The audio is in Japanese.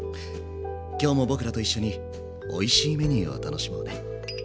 今日も僕らと一緒においしいメニューを楽しもうね。